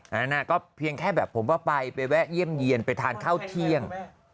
นั้นก็เพียงแค่แบบผมว่าไปไปแวะเยี่ยมเยี่ยนไปทานข้าวเที่ยง